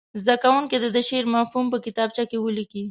زده کوونکي دې د شعر مفهوم په کتابچو کې ولیکي.